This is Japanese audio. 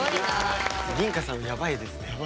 りんかさんやばいですね。